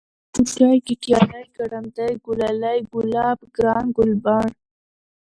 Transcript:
كوچى ، گټيالی ، گړندی ، گلالی ، گلاب ، گران ، گلبڼ